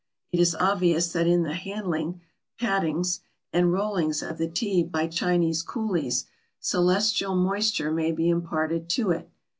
It is obvious that in the handling, pattings, and rollings of the tea by Chinese coolies, "celestial moisture" may be imparted to it.